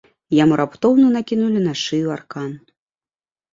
Яму раптоўна накінулі на шыю аркан.